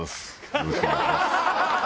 よろしくお願いします。